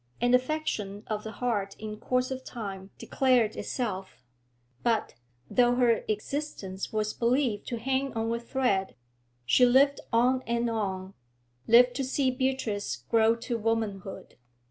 An affection of the heart in course of time declared itself, but, though her existence was believed to hang on a thread, she lived on and on, lived to see Beatrice grow to womanhood.